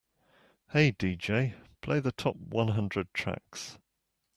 "Hey DJ, play the top one hundred tracks"